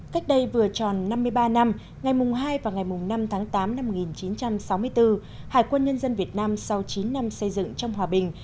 cách đây vừa tròn năm mươi ba năm ngày mùng hai và ngày năm tháng tám năm một nghìn chín trăm sáu mươi bốn hải quân nhân dân việt nam sau chín năm xây dựng trong hòa bình